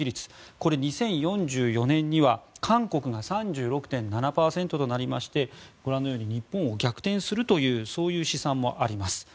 これ、２０４４年には韓国が３６．７％となりましてご覧のように日本を逆転するという試算もあります。